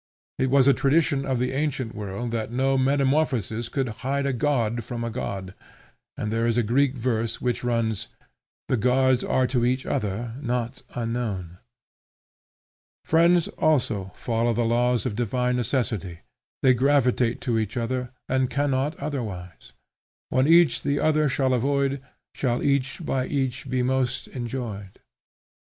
It was a tradition of the ancient world that no metamorphosis could hide a god from a god; and there is a Greek verse which runs, "The Gods are to each other not unknown." Friends also follow the laws of divine necessity; they gravitate to each other, and cannot otherwise: When each the other shall avoid, Shall each by each be most enjoyed.